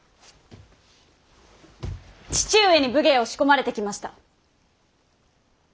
父上に武芸を仕込まれてきました。